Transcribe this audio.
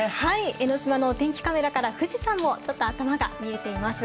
江の島のお天気カメラから富士山もちょっと頭が見えています。